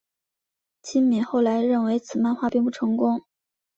今敏后来认为此漫画并不成功。